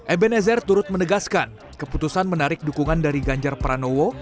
ebenezer turut menegaskan keputusan menarik dukungan dari ganjar pranowo